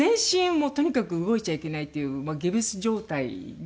もうとにかく動いちゃいけないというギプス状態で。